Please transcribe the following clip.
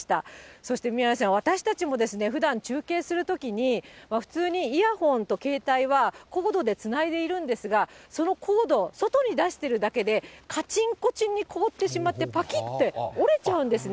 そして宮根さん、私たちもふだん、中継するときに、普通にイヤホンと携帯はコードでつないでいるんですが、そのコード、外に出してるだけで、かちんこちんに凍ってしまって、ぱきって折れちゃうんですね。